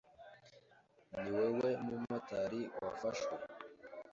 ni we we mumotari wafashwe